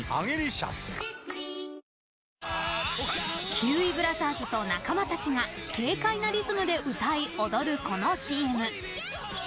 キウイブラザーズと仲間たちが軽快なリズムで歌い、踊るこの ＣＭ。